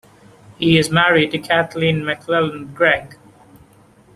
He is married to Kathleen MacLellan Gregg.